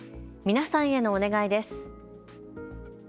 皆さんへのお願いです。